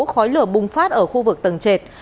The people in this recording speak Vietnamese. khói lửa bùng phát ở khu vực tầng trệt